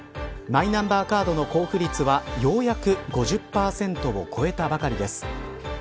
マイナンバーカードの交付率はようやく５０％を超えたばかりです。